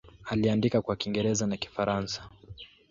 Aliandika kwa Kiingereza na Kifaransa.